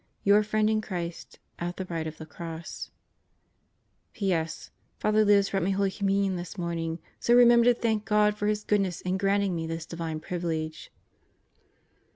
Your friend in Christ at the right of the Cross. ... P.S. ... Father Libs brought me Holy 'Communion this morning so remember to thank God for His goodness in granting me this divine privilege.